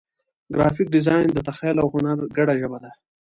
ګرافیک ډیزاین د تخیل او هنر ګډه ژبه ده.